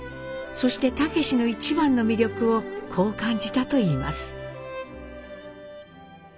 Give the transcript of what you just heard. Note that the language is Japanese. そして武司の一番の魅力をこう感じたといいます。